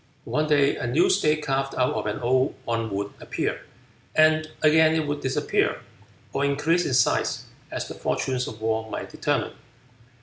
One day a new state carved out of an old one would appear, and again it would disappear, or increase in size, as the fortunes of war might determine.